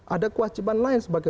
ada kewajiban lain sebagai